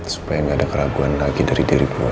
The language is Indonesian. supaya nggak ada keraguan lagi dari diri keluarga